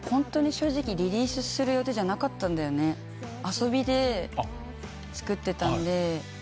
遊びで作ってたんで。